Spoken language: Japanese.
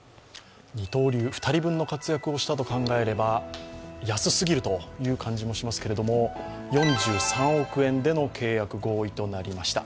二刀流、２人分の活躍をしたと考えれば安すぎるという感じもしますけれども、４３億円での契約合意となりました。